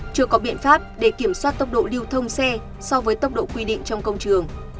chưa có biện pháp để kiểm soát tốc độ lưu thông xe so với tốc độ quy định trong công trường